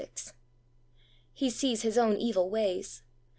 He sees his own evil ways.